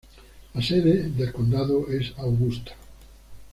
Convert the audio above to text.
La sede del condado es Augusta.